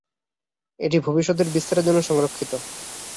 এটি ভবিষ্যতের বিস্তারের জন্য সংরক্ষিত।